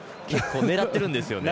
狙ってるんですよね。